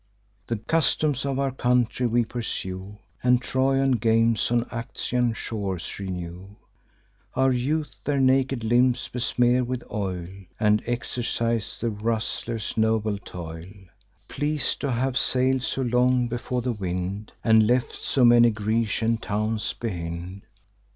The customs of our country we pursue, And Trojan games on Actian shores renew. Our youth their naked limbs besmear with oil, And exercise the wrastlers' noble toil; Pleas'd to have sail'd so long before the wind, And left so many Grecian towns behind.